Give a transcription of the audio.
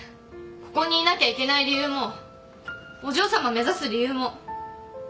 ここにいなきゃいけない理由もお嬢さま目指す理由も。